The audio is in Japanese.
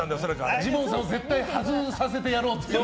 ジモンさん、絶対外させてやろうっていう。